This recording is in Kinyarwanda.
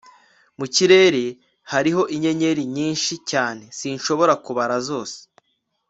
mu kirere hariho inyenyeri nyinshi cyane, sinshobora kubara zose